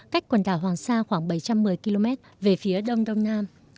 cách quần đảo hoàng sa khoảng bảy trăm một mươi km về phía đông đông nam